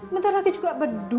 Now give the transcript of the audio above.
bentar lagi juga bedu